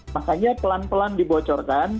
makanya pelan pelan dibocorkan